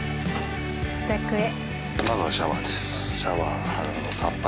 自宅へ。